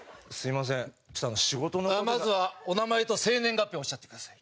まずはお名前と生年月日をおっしゃってください。